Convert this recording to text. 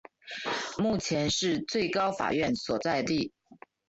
目前是最高法院所在地。